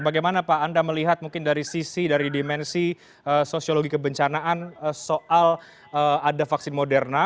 bagaimana pak anda melihat mungkin dari sisi dari dimensi sosiologi kebencanaan soal ada vaksin moderna